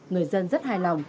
người dân rất hài lòng